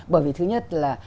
bởi vì thứ nhất là